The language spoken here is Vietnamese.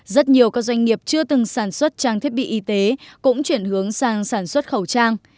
rất nhiều các doanh nghiệp chưa từng sản xuất trang thiết bị y tế cũng chuyển hướng sang sản xuất khẩu trang